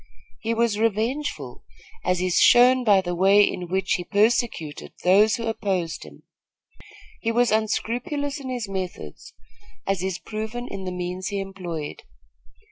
He was revengeful, as is shown by the way in which he persecuted those who opposed him. He was unscrupulous in his methods, as is proven in the means he employed.